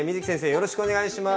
よろしくお願いします！